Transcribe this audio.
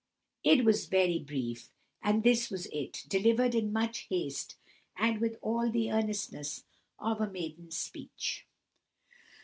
It was very brief, and this was it, delivered in much haste, and with all the earnestness of a maiden speech.